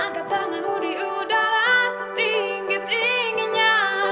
angkat tanganmu di udara setinggi tingginya